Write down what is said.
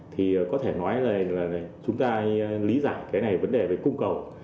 thì có thể nói là chúng ta lý giải cái này vấn đề về cung cầu